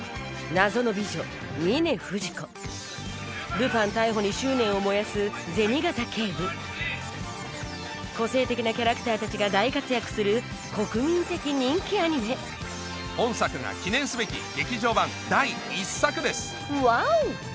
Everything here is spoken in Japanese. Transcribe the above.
謎の美女ルパン逮捕に執念を燃やす個性的なキャラクターたちが大活躍する国民的人気アニメ本作が記念すべきワオ！